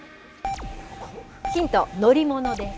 ヒント、乗り物です。